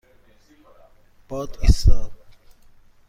باد ایستاد.